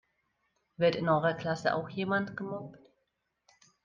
Wird in eurer Klasse auch jemand gemobbt?